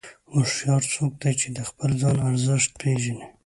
هوښیار څوک دی چې د خپل ځان ارزښت پېژني.